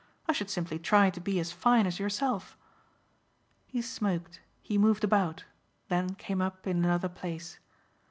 I should simply try to be as fine as yourself." He smoked, he moved about, then came up in another place.